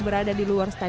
tidak ada yang menanggung